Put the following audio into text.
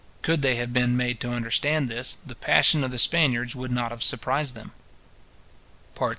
Could they have been made to understand this, the passion of the Spaniards would not have surprised them. PART III.